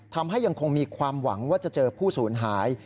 ยังคงมีความหวังว่าจะเจอผู้สูญหาย